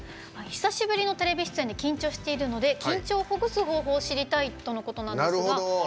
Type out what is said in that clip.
久しぶりのテレビ出演で緊張しているので緊張をほぐす方法を知りたいとのことなんですが。